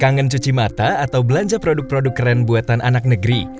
kangen cuci mata atau belanja produk produk keren buatan anak negeri